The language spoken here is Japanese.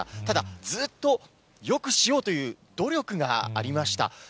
ただ、ずっとよくしようという努力がありました。